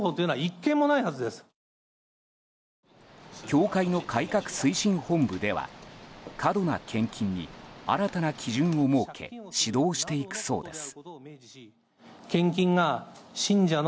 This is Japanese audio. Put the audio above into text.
教会の改革推進本部では過度な献金に新たな基準を設け指導していくそうです。